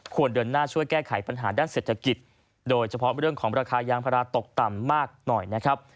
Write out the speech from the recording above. ควรเดินหน้าช่วยแก้ไขปัญหาด้านเศรษฐกิจโดยเฉพาะเรื่องของราคายางภาระตกต่ำมากหน่อยนะครับ